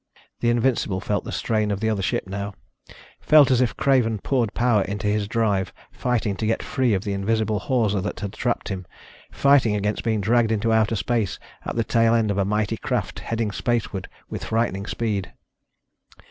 The Invincible felt the strain of the other ship now. Felt it as Craven poured power into his drive, fighting to get free of the invisible hawser that had trapped him, fighting against being dragged into outer space at the tail end of a mighty craft heading spaceward with frightening speed.